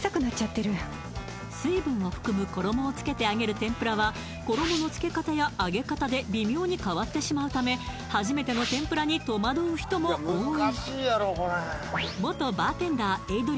天ぷらは衣のつけ方や揚げ方で微妙に変わってしまうため初めての天ぷらに戸惑う人も多い